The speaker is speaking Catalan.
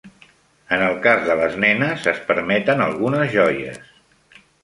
En el cas de les nenes es permeten algunes joies.